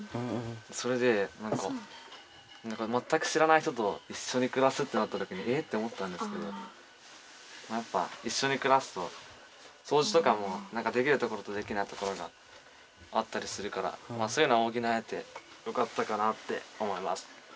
それでなんかまったく知らない人といっしょに暮らすってなったときに「え」って思ったんですけどやっぱいっしょに暮らすとそうじとかもなんかできるところとできないところがあったりするからそういうのおぎなえてよかったかなって思います。